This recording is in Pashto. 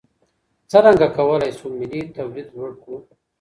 څرنګه کولای سو ملي توليد لوړ کړو؟